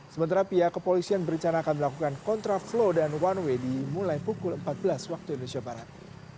sementara pihak kepolisian berencana akan melakukan kontraflow dan one way dimulai pukul empat belas waktu indonesia barat